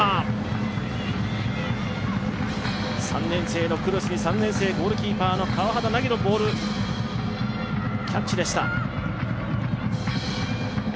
３年生のクロスに３年生のゴールキーパーの川幡凪のボール、キャッチでした。